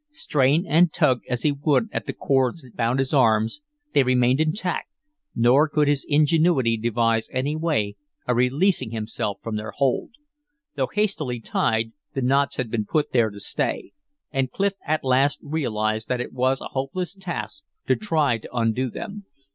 Strain and tug as he would at the cords that bound his arms, they remained intact, nor could his ingenuity devise any way of releasing himself from their hold. Though hastily tied, the knots had been put there to stay, and Clif at last realized that it was a hopeless task to try to undo them.